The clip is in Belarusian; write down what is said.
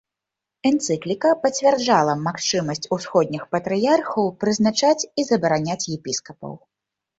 Энцыкліка пацвярджала магчымасць усходніх патрыярхаў прызначаць і забараняць епіскапаў.